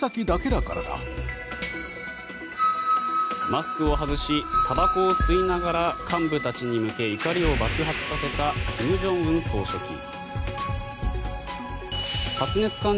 マスクを外したばこを吸いながら幹部たちに向け怒りを爆発させた金正恩総書記。